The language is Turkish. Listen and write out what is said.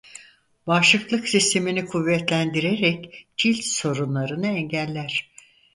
Bağışıklık sistemini kuvvetlendirerek cilt sorunlarını engeller.